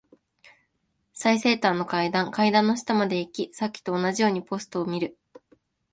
最西端の階段。階段の下まで行き、さっきと同じようにポストを見る。